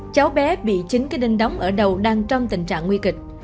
cháu bé bị chính cái đinh đóng ở đầu đang trong tình trạng nguy kịch